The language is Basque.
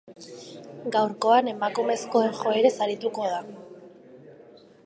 Gaurkoan, emakumezkoen joerez arituko da.